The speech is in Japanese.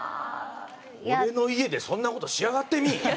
俺の家でそんな事しやがってみい。